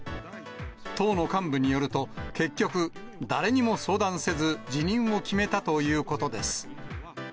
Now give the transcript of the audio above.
党の幹部によると、結局、誰にも相談せず、辞任を決めたということです。